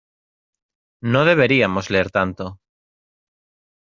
No deberíamos leer tanto.